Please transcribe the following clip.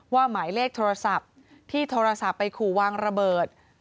หมายเลขโทรศัพท์ที่โทรศัพท์ไปขู่วางระเบิด